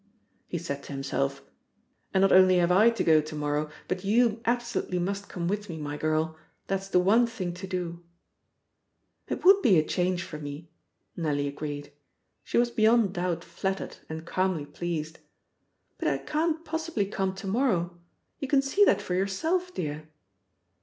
(He said to himself: "And not only have I to go to morrow, but you absolutely must come with me, my girl. That's the one thing to do.") "It would be a change for me," Nellie agreed. She was beyond doubt flattered and calmly pleased. "But I can't possibly come to morrow. You can see that for yourself, dear."